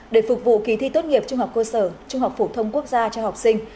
để phục vụ kỳ thi tốt nghiệp trung học cơ sở trung học phổ thông quốc gia cho học sinh